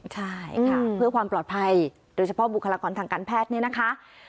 ใช่ค่ะเพื่อความปลอดภัยโดยเฉพาะบุคลากรทางการแพทย์เนี่ยนะคะ